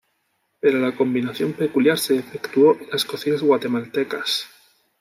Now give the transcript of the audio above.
Pero la combinación peculiar se efectuó en las cocinas guatemaltecas.